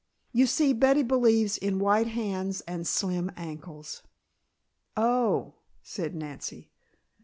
You see Betty believes in white hands and slim ankles." "Oh," said Nancy.